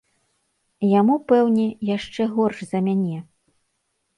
Яму, пэўне, яшчэ горш за мяне.